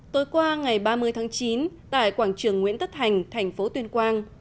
tối qua ngày ba mươi tháng chín tại quảng trường nguyễn tất thành thành phố tuyên quang